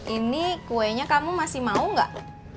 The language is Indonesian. ini kuenya kamu masih mau gak